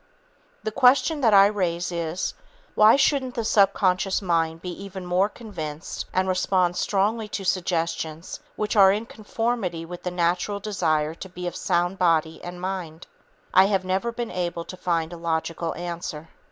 The question that I raise is: "Why shouldn't the subconscious mind be even more convinced and respond strongly to suggestions which are in conformity with the natural desire to be of sound body and mind?" I have never been able to find a logical answer.